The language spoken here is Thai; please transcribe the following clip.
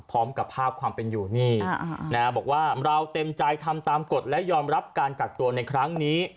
พร้อมกับภาพความเป็นอยู่นี่บอกว่าเราเต็มใจทำตามกฎและยอมรับการกักตัวในครั้งนี้